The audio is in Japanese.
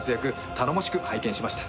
頼もしく拝見しました。